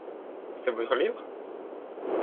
C'est votre livre ?